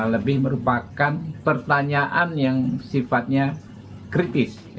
lebih merupakan pertanyaan yang sifatnya kritis